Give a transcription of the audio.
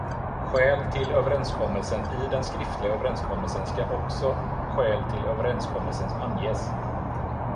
Skäl till överenskommelsen I den skriftliga överenskommelsen ska också skäl till överenskommelsen anges.